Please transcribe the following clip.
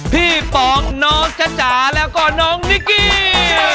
ป๋องน้องจ๊ะจ๋าแล้วก็น้องนิกกี้